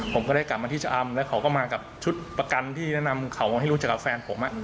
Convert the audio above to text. ผมก็ได้กลับมาที่ชะอำแล้วเขาก็มากับชุดประกันที่แนะนำเขาให้รู้จักกับแฟนผม